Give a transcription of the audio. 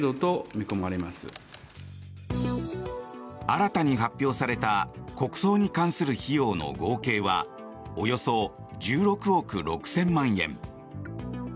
新たに発表された国葬に関する費用の合計はおよそ１６億６０００万円。